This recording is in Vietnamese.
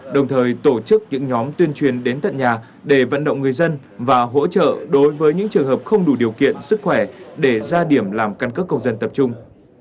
đồng thời tổ chức những nhóm tuyên truyền đến tận nhà để vận động người dân và hỗ trợ đối với những trường hợp không đủ điều kiện sức khỏe để ra điểm làm căn cước công dân tập trung